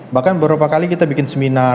bahkan beberapa kali kita bikin seminar